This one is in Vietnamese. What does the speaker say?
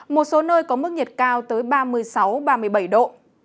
một số nơi có mức nhiệt cao tới ba mươi sáu ba mươi bảy độ